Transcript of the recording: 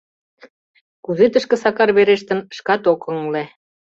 Кузе тышке Сакар верештын — шкат ок ыҥыле.